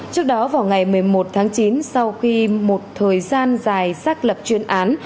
trước đó vào ngày một mươi một tháng chín sau khi một thời gian dài xác lập chuyên án